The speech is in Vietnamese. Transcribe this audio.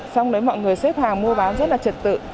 xong đấy mọi người xếp hàng mua bán rất là trật tự